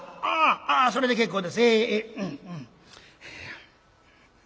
「ああそれで結構です。ええ」。